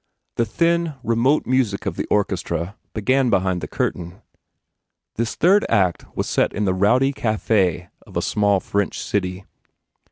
The thin, remote music of the orchestra began behind the curtain. This third act was set in the rowdy cafe of a small French city.